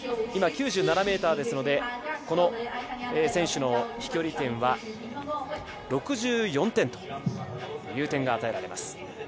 今、９７ｍですので、この選手の飛距離点は６４点という点が与えられます。